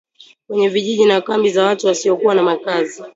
kwenye vijiji na kambi za watu wasiokuwa na makazi